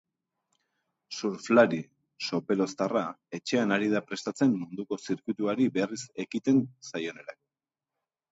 Surflari sopeloztarra etxean ari da prestatzen munduko zirkuituari berriz ekiten zaionerako.